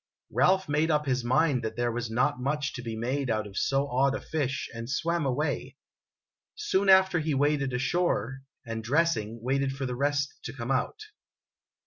Ralph made up his mind that there was not much to be made out of so odd a fish, and swam away. Soon after he waded ashore, and, dressing, waited for the rest to come out.